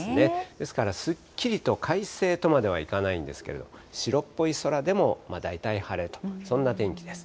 ですからすっきりと快晴とまではいかないんですけれど、白っぽい空でもだいたい晴れと、そんな天気です。